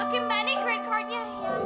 oke mbak ini credit card nya